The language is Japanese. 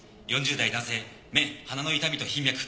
４０代男性目鼻の痛みと頻脈。